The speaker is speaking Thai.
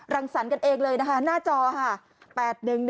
รังสรรค์กันเองเลยนะคะหน้าจอค่ะ